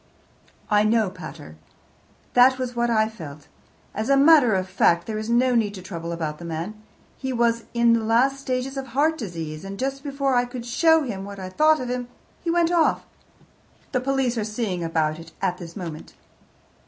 "I know, pater. That was what I felt. As a matter of fact, there is no need to trouble about the man. He was in the last stages of heart disease, and just before I could show him what I thought of him he went off. The police are seeing about it at this moment."